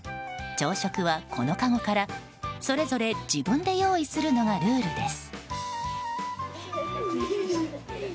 朝食は、このかごからそれぞれ自分で用意するのがルールです。